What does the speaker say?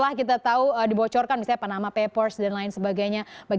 dan kemudian kita lihat juga sempat memerangi hiv tbc dan mabuk